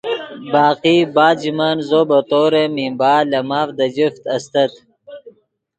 باقی بعد ژے من زو بطور ممبار لے ماف دے جفت استت